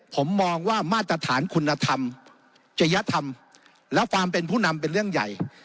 ผมมองว่ามาตรฐานคุณธรรมจริยธรรมและความเป็นผู้นำเป็นเรื่องใหญ่